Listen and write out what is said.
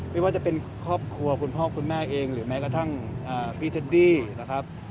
ไม่ว่าจะเป็นครอบครัวคุณพ่อคุณแม่เองหรือแม้กระทั่งพี่เทดดี้นะครับ